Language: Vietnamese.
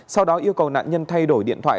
sau đó yêu cầu nạn nhân thay đổi điện thoại